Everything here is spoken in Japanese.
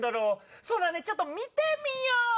そうだね、ちょっと見てみよう。